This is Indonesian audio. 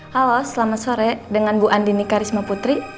halo selamat sore dengan bu andini karisma putri